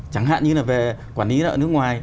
chẳng hạn như là về quản lý ở nước ngoài